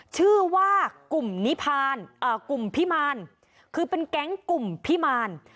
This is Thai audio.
ชื่อว่ากลุ่มนิพานกลุ่มพิมารคือเป็นแก๊งกลุ่มพิมาร